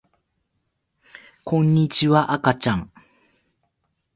こんにちはあかちゃん